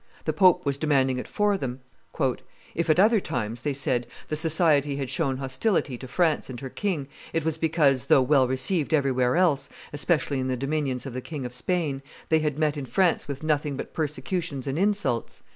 The pope was demanding it for them. If at other times," they said, "the society had shown hostility to France and her king, it was because, though well received everywhere else, especially in the dominions of the King of Spain, they had met in France with nothing but persecutions and insults.